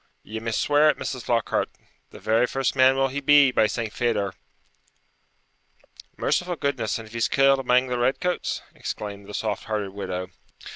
'Ye may swear it, Mrs. Flockhart; the very first man will he be, by Saint Phedar.' 'Merciful goodness! and if he's killed amang the redcoats!' exclaimed the soft hearted widow.